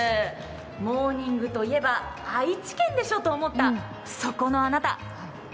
モーニングといえば愛知県でしょと思ったそこのあなた。